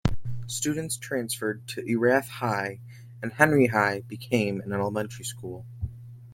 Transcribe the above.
Students transferred to Erath High, and Henry High became an elementary school.